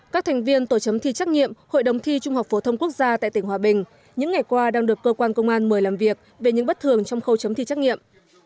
các thành viên tổ chấm thi trắc nghiệm hội đồng thi trung học phổ thông quốc gia tại tỉnh hòa bình những ngày qua đang được cơ quan công an mời làm việc về những bất thường trong khâu chấm thi trắc nghiệm